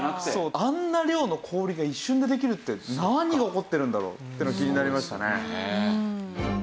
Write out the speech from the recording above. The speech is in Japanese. あんな量の氷が一瞬でできるって何が起こってるんだろう？っていうのは気になりましたね。